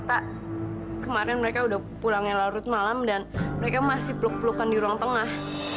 pak kemarin mereka udah pulangnya larut malam dan mereka masih peluk pelukan di ruang tengah